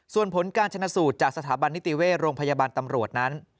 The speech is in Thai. ส่วนผลการชนะสูตรจากสถาบันนิติเวชโรงพยาบาลตำรวจนั้น